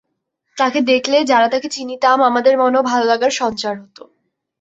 তাকে দেখলে, যারা তাকে চিনিতাম, আমাদের মনেও ভালোলাগার সঞ্চার হতো।